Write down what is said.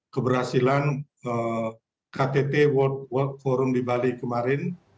keberhasilan ktt world forum di bali kemarin